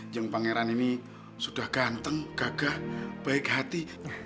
yang pangeran ini sudah ganteng gagah baik hati